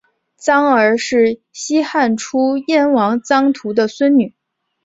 臧儿是西汉初燕王臧荼的孙女。